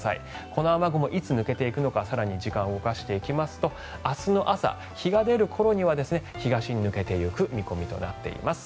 この雨雲いつ抜けていくのか更に時間を動かしていきますと明日の朝、日が出る頃には東に抜けていく見込みとなっています。